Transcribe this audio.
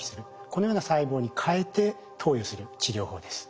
このような細胞にかえて投与する治療法です。